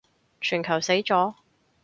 全球死咗